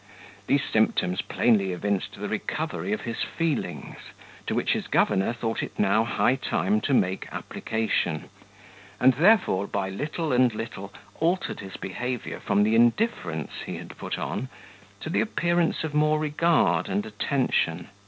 These symptoms plainly evinced the recovery of his feelings, to which his governor thought it now high time to make application; and therefore by little and little altered his behaviour from the indifference he had put on, to the appearance of more regard and attention.